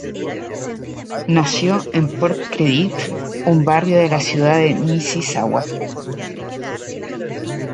Nació en Port Credit, un barrio de la ciudad de Mississauga.